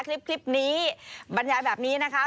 คลิปนี้บรรยายแบบนี้นะคะ